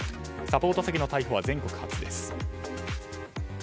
サポート詐欺の逮捕は全国初です。